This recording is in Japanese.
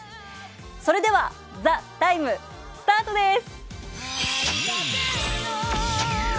それでは、「ＴＨＥＴＩＭＥ，」スタートです！